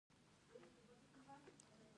د وایډز ګلکسي خالي ځایونه دي.